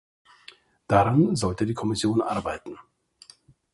Daran sollte die Kommission arbeiten!